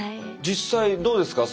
実際どうですか？